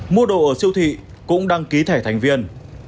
mua đồ ở siêu thị cũng đăng ký thẻ thành viên